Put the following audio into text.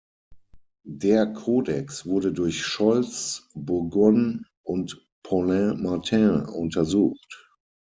Der Kodex wurde durch Scholz, Burgon, und Paulin Martin untersucht.